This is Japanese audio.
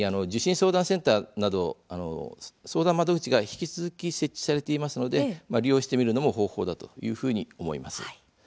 ・相談センターなど相談窓口が引き続き設置されていますので利用してみるのも方法だというふうに思います。